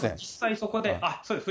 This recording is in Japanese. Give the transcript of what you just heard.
実際そこで。